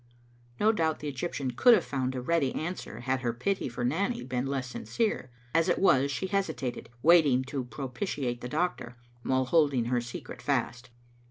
No doubt the Eg3rptian could have found a ready an swer had her pity for Nanny been less sinjcere ; as it was, she hesitated, wanting to propitiate the doctor, while holding her secret fast.